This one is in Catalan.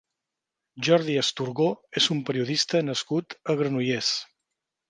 Jordi Asturgó és un periodista nascut a Granollers.